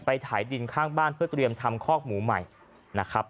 ถ่ายดินข้างบ้านเพื่อเตรียมทำคอกหมูใหม่นะครับ